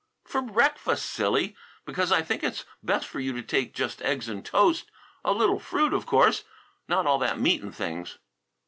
"For breakfast, silly! Because I think it's best for you to take just eggs and toast; a little fruit of course; not all that meat and things."